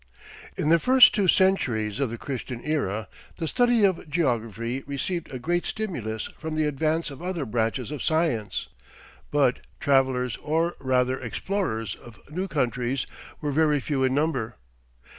In the first two centuries of the Christian era, the study of geography received a great stimulus from the advance of other branches of science, but travellers, or rather explorers of new countries were very few in number.